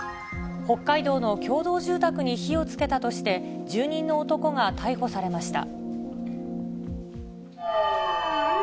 北海道の共同住宅に火をつけたとして、住人の男が逮捕されました。